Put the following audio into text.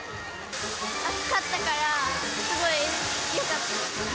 暑かったから、すごいよかった。